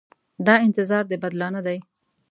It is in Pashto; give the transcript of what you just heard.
دا انتظار د بدلانه دی.